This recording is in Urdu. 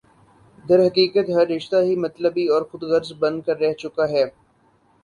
درحقیقت ہر رشتہ ہی مطلبی اور خودغرض بن کر رہ چکا ہے